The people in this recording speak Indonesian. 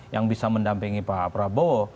yang bisa mendampingi pak prabowo